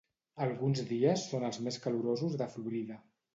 Alguns dies són els més calorosos de Florida.